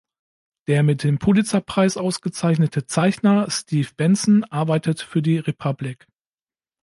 Der mit dem Pulitzer-Preis ausgezeichnete Zeichner Steve Benson arbeitet für die "Republic".